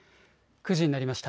９時になりました。